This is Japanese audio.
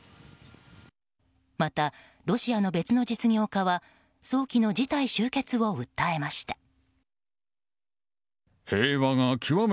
またロシアの別の実業家は早期の事態終結を訴えました。